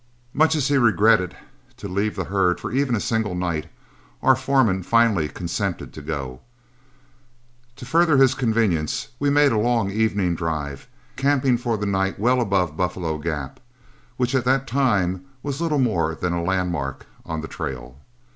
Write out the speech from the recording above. Much as he regretted to leave the herd for even a single night, our foreman finally consented to go. To further his convenience we made a long evening drive, camping for the night well above Buffalo Gap, which at that time was little more than a landmark on the trail.